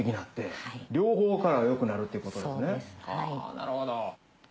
なるほど。